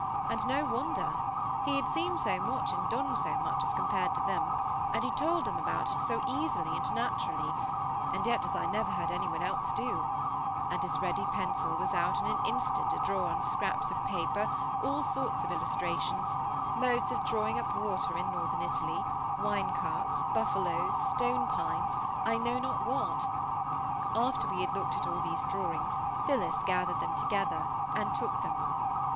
And no wonder: he had seen so much and done so much as compared to them, and he told about it all so easily and naturally, and yet as I never heard any one else do; and his ready pencil was out in an instant to draw on scraps of paper all sorts of illustrations—modes of drawing up water in Northern Italy, wine carts, buffaloes, stone pines, I know not what. After we had all looked at these drawings, Phillis gathered them together, and took them.